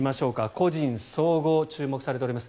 個人総合注目されております。